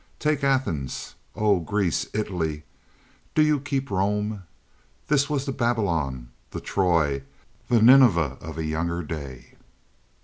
Take Athens, oh, Greece! Italy, do you keep Rome! This was the Babylon, the Troy, the Nineveh of a younger day.